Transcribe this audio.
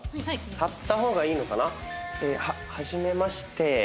立った方がいいのかな？ははじめまして。